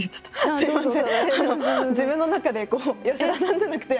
すいません。